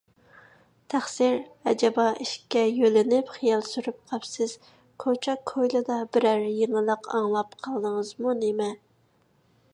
تەخسىر، ئەجەبا، ئىشىككە يۆلىنىپ خىيال سۈرۈپ قاپسىز، كوچا - كويلىدا بىرەر يېڭىلىق ئاڭلاپ قالدىڭىزمۇ نېمە؟